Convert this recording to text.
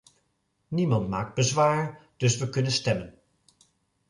Niemand maakt bezwaar, dus we kunnen stemmen.